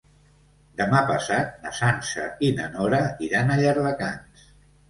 Demà passat na Sança i na Nora iran a Llardecans.